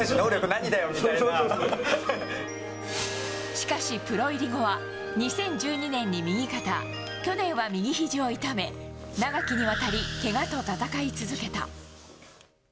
しかし、プロ入り後は２０１２年に右肩去年は右ひじを痛め長きにわたりけがと戦い続けた。